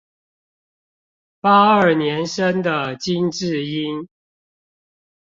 八二年生的金智英